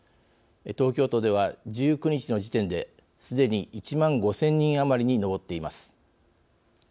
東京都では、１９日の時点ですでに１万５０００人余りに上っています。